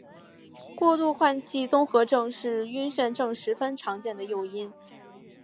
过度换气综合症是晕眩症十分常见的诱因。